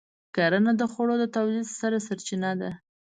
کرنه د خوړو د تولید ستره سرچینه ده.